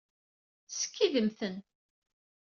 Skeydem-ten.